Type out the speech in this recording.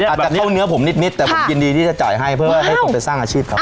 อาจจะเข้าเนื้อผมนิดแต่ผมยินดีที่จะจ่ายให้เพื่อให้คนไปสร้างอาชีพครับ